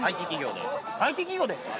ＩＴ企業で？